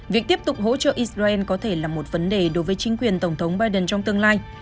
việc tiếp tục hỗ trợ israel có thể là một vấn đề đối với chính quyền tổng thống biden trong tương lai